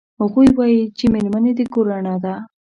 هغوی وایي چې میرمنې د کور رڼا ده